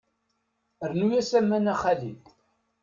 Rnu-as aman a xali.